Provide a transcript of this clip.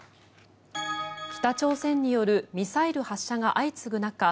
北朝鮮によるミサイル発射が相次ぐ中